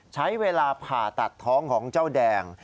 ใช้เวลาผ่าตัดท้องของเจ้าแดง